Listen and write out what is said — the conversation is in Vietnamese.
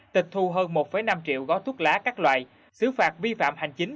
tịch thu hơn một năm triệu gói thuốc lá các loại xử phạt vi phạm hành chính